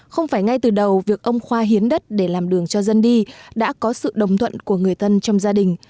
không phải ngay từ đầu việc ông khoa hiến đất để làm đường cho dân đi đã có sự đồng thuận của người thân trong gia đình